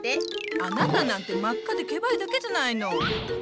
あなたなんて真っ赤でケバいだけじゃないの。